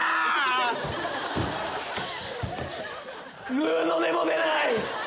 ぐうの音も出ない！